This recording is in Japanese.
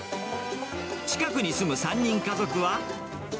近くに住む３人家族は。